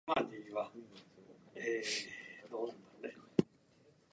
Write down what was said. This means that the secotioid and also the gasteroid fungi are polyphyletic.